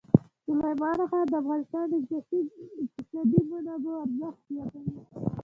سلیمان غر د افغانستان د اقتصادي منابعو ارزښت زیاتوي.